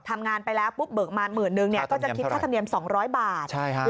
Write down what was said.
ทำงานไปแล้วเบิกมา๑๐๐๐๐บาทก็จะคิดค่าธรรมเนียม๒๐๐บาท